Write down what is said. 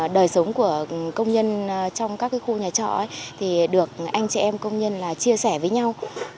đời sống của công nhân trong các khu nhà trọ thì được anh chị em công nhân là chia sẻ với nhau